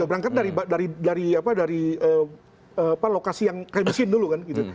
penyidik kan begitu berangkat dari lokasi yang kayak di sini dulu kan gitu